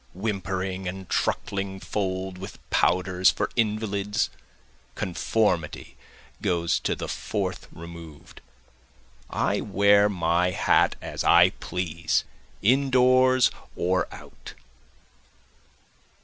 Whimpering and truckling fold with powders for invalids, conformity goes to the fourth remov'd, I wear my hat as I please indoors or out.